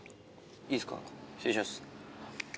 いいっすか失礼します。